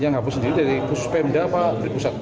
yang hapus sendiri dari kus pemda apa dari pusat